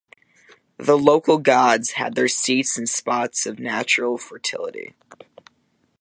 The local gods had their seats in spots of natural fertility.